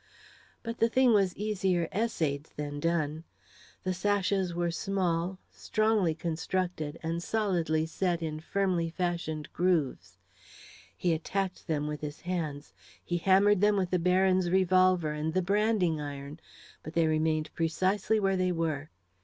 But the thing was easier essayed than done. The sashes were small, strongly constructed, and solidly set in firmly fashioned grooves. He attacked them with his hands; he hammered them with the Baron's revolver and the branding iron, but they remained precisely where they were.